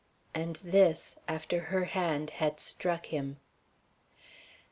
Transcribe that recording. And this after her hand had struck him.